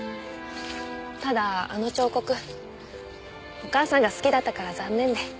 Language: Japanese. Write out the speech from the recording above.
ただあの彫刻お母さんが好きだったから残念で。